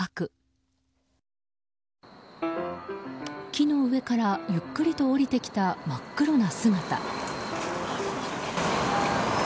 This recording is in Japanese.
木の上からゆっくりと下りてきた真っ黒な姿。